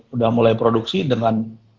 udah mulai produksi dengan